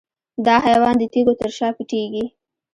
دا حیوان د تیږو تر شا پټیږي.